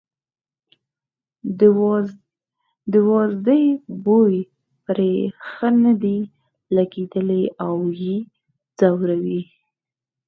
د وازدې بوی پرې ښه نه دی لګېدلی او یې ځوروي.